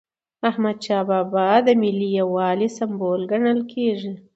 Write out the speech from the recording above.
احمدشاه بابا د ملي یووالي سمبول ګڼل کېږي.